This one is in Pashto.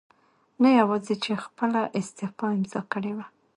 نه یواځې چې خپله استعفاء امضا کړې وه